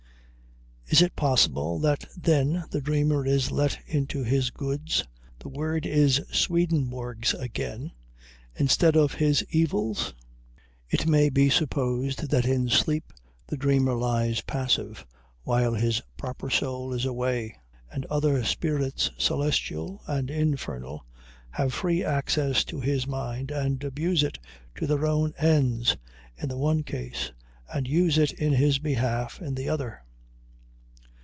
Is it possible that then the dreamer is let into his goods (the word is Swedenborg's again) instead of his evils? It may be supposed that in sleep the dreamer lies passive, while his proper soul is away, and other spirits, celestial and infernal, have free access to his mind, and abuse it to their own ends in the one case, and use it in his behalf in the other.